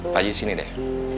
pak haji sini deh